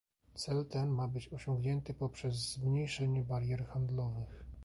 Cel ten ma być osiągnięty poprzez zmniejszenie barier handlowych